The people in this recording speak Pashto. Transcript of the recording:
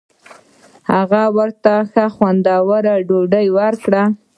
هغه ورته ښه خوندوره ډوډۍ ورکړه.